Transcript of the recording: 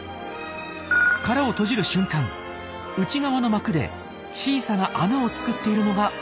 殻を閉じる瞬間内側の膜で小さな穴を作っているのがわかりますか？